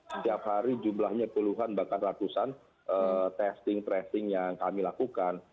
setiap hari jumlahnya puluhan bahkan ratusan testing tracing yang kami lakukan